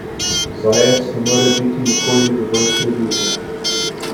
Zajec ne more biti nikoli dovolj previden.